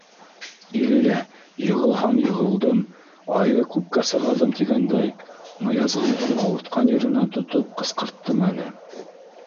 — Иллә, йығылһам йығылдым, айҙы күккә сығарҙым тигәндәй, Ныязғолдоң ауыртҡан еренән тотоп ҡысҡырттым әле!